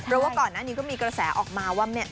เพราะว่าก่อนหน้านี้ก็มีกระแสออกมาว่า